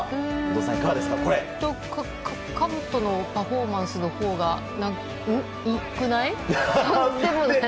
うーんかぶとのパフォーマンスのほうが良くない？